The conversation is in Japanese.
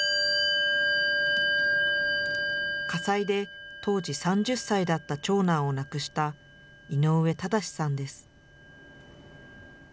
火災で当時３０歳だった長男を亡くした井上正さんです。